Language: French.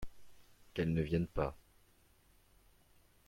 Qu'elles ne viennent pas